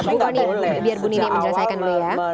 biar bu lini menjelaskan dulu ya